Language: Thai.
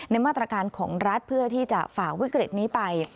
มาตรการของรัฐเพื่อที่จะฝ่าวิกฤตนี้ไป